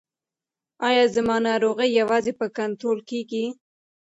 ایا زما ناروغي یوازې په کنټرول کیږي؟